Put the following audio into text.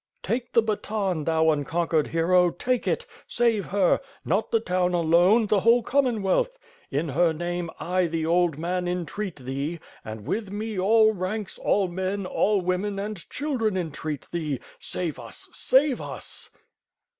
"Take the baton, thou unconquered hero! Take it! Save her! Not the town alone, the whole Commonwealth. In her name, I, the old man, entreat thee; and, with me, all ranks, all men, all women and children entreat thee, save us — save us!"